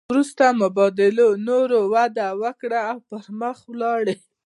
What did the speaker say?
وروسته مبادلو نوره وده وکړه او پرمخ ولاړې